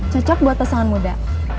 cokok buat pesanan muda